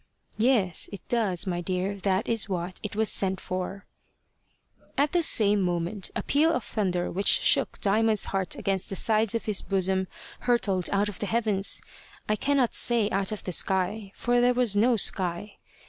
"Yes, it does, my dear. That is what it was sent for." At the same moment, a peal of thunder which shook Diamond's heart against the sides of his bosom hurtled out of the heavens: I cannot say out of the sky, for there was no sky.